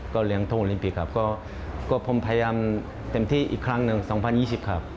ก็เหลือทุกโอลิมพีครับก็ผมพยายามเต็มที่อีกครั้งหนึ่ง๒๐๒๐ครับ